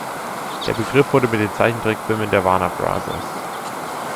Der Begriff wurde mit den Zeichentrickfilmen der Warner Bros.